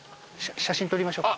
写真撮りましょうか？